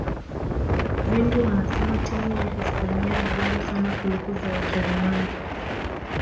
wengi wanasema timu za hispania ni bora sana kuliko za ujerumani